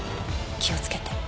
気をつけて。